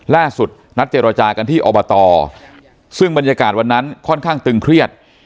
นัดเจรจากันที่อบตซึ่งบรรยากาศวันนั้นค่อนข้างตึงเครียด